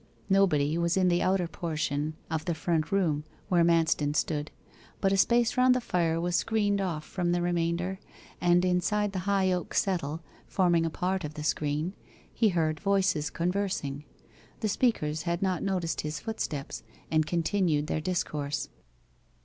Nobody was in the outer portion of the front room where Manston stood, but a space round the fire was screened off from the remainder, and inside the high oak settle, forming a part of the screen, he heard voices conversing. The speakers had not noticed his footsteps, and continued their discourse.